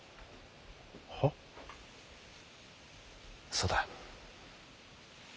そうだ。